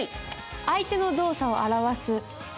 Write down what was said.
相手の動作を表す尊敬語。